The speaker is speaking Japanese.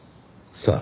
さあ